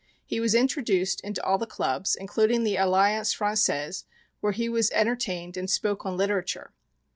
He was introduced into all the clubs, including the Alliance Française, where he was entertained and spoke on literature.